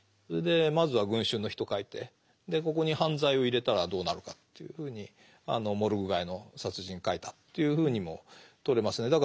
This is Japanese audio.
それでまずは「群衆の人」を書いてここに犯罪を入れたらどうなるかというふうに「モルグ街の殺人」を書いたというふうにもとれますね。